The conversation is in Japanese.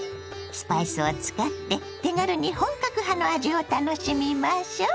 スパイスを使って手軽に本格派の味を楽しみましょう。